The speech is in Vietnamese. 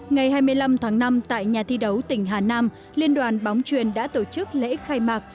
ngày hai mươi năm tháng năm tại nhà thi đấu tỉnh hà nam liên đoàn bóng truyền đã tổ chức lễ khai mạc